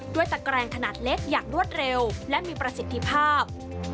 ตะแกรงขนาดเล็กอย่างรวดเร็วและมีประสิทธิภาพ